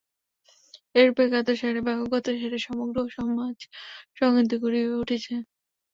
এইরূপেই জ্ঞাতসারে বা অজ্ঞাতসারে সমগ্র সমাজ-সংহতি গড়িয়া উঠিয়াছে।